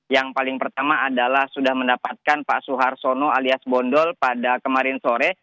yang paling pertama adalah sudah mendapatkan pak suhartono alias bondol pada kemarin sore